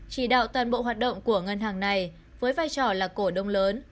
chỉ đạo toàn bộ hoạt động của ngân hàng này với vai trò là cổ đông lớn